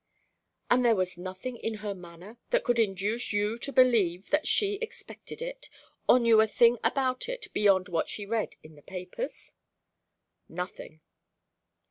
"And there was nothing in her manner that could induce you to believe that she expected it, or knew a thing about it beyond what she read in the papers?" "Nothing."